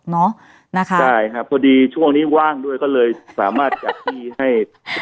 ใช่ครับพอดีช่วงนี้ว่างด้วยก็เลยสามารถแจ็คที่ให้